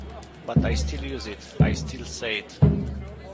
But I still use it, I still say it.